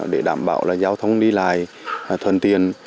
để đảm bảo là giao thông đi lại thuần tiền